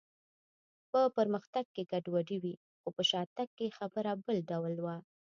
په پرمختګ کې ګډوډي وي، خو په شاتګ کې خبره بل ډول وه.